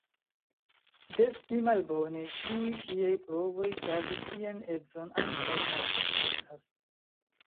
Des pli malbone, ĉiuj ŝiaj provoj savi sian edzon ankaŭ malsukcesas.